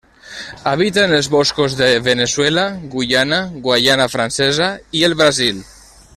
Habita en els boscos de Veneçuela, Guyana, Guaiana francesa i el Brasil.